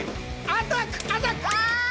アタックアタック！